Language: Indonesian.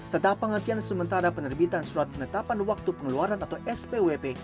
tentang penghentian sementara penerbitan surat penetapan waktu pengeluaran atau spwp